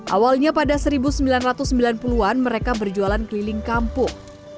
awalnya pada seribu sembilan ratus sembilan puluh an mereka berjualan keliling kampung